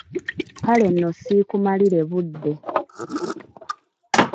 Kale nno siikumalire budde.